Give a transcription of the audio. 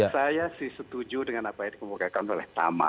saya sih setuju dengan apa yang dikemukakan oleh tama